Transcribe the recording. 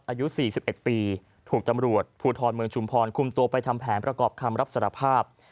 อายุ๔๑ปีถูกตำรวจภูทรเมืองชุมพรคุมตัวไปทำแผนประกอบคำรับสารภาพ